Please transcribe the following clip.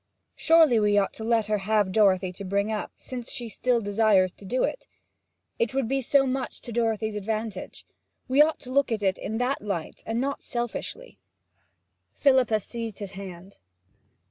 Surely we ought to let her have Dorothy to bring up, since she still desires to do it? It would be so much to Dorothy's advantage. We ought to look at it in that light, and not selfishly.' Philippa seized his hand.